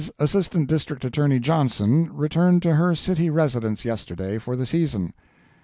Assistant District Attorney Johnson returned to her city residence yesterday for the season."